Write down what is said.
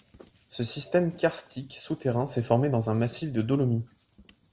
Ce système karstique souterrain s'est formé dans un massif de dolomie.